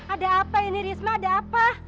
ada apa ini risma ada apa